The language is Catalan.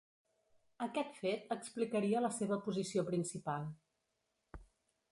Aquest fet explicaria la seva posició principal.